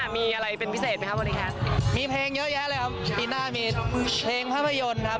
มีเพลงเยอะแยะเลยครับปีหน้ามีเพลงภาพยนตร์ครับ